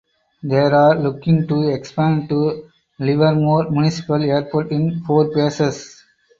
They are looking to expand to Livermore Municipal Airport in four phases.